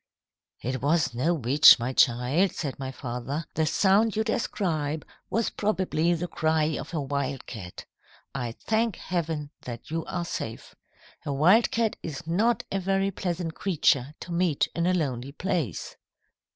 "'It was no witch, my child,' said my father. 'The sound you describe was probably the cry of a wildcat. I thank Heaven that you are safe. A wildcat is not a very pleasant creature to meet in a lonely place.'